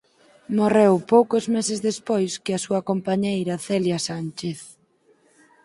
Morreu poucos meses despois que a súa compañeira Celia Sánchez.